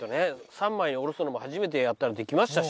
３枚におろすのも初めてやったらできましたし。